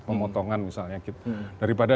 pemotongan misalnya daripada